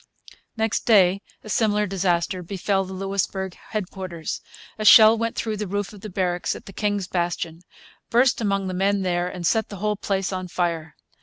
Next day a similar disaster befell the Louisbourg headquarters. A shell went through the roof of the barracks at the King's Bastion, burst among the men there, and set the whole place on fire.